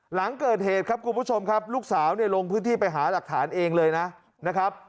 หลังเกิดเหตุครับคุณผู้ชมครับลูกสาวเนี่ยลงพื้นที่ไปหาหลักฐานเองเลยนะครับ